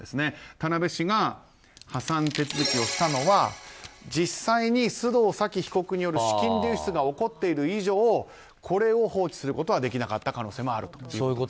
田辺市が破産手続きをしたのは実際に須藤早貴被告による資金流出が起こっている以上これを放置することはできなかった可能性もあると。